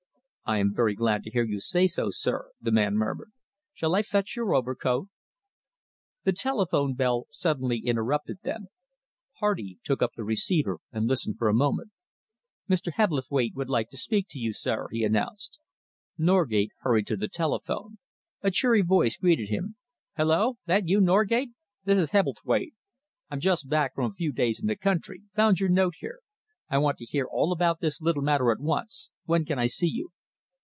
"I am very glad to hear you say so, sir," the man murmured. "Shall I fetch your overcoat?" The telephone bell suddenly interrupted them. Hardy took up the receiver and listened for a moment. "Mr. Hebblethwaite would like to speak to you, sir," he announced. Norgate hurried to the telephone. A cheery voice greeted him. "Hullo! That you, Norgate? This is Hebblethwaite. I'm just back from a few days in the country found your note here. I want to hear all about this little matter at once. When can I see you?"